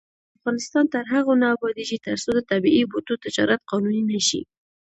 افغانستان تر هغو نه ابادیږي، ترڅو د طبیعي بوټو تجارت قانوني نشي.